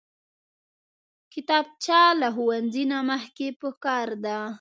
کتابچه له ښوونځي نه مخکې پکار ده